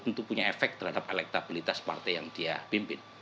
dan itu juga punya efek terhadap elektabilitas partai yang dia pimpin